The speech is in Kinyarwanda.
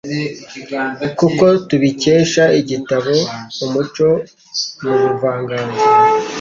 k'uko tubikesha igitabo “Umuco mu Buvanganzo